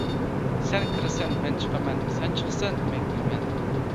سەن كىرىسەن، مەن چىقىمەن، سەن چىقىسەن، مەن كىرىمەن.